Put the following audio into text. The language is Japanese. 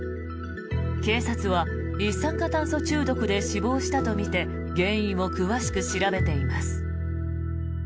警察は一酸化炭素中毒で死亡したとみて原因を詳しく調べています。